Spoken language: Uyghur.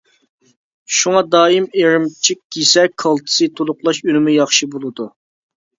شۇڭا، دائىم ئىرىمچىك يېسە، كالتسىي تولۇقلاش ئۈنۈمى ياخشى بولىدۇ.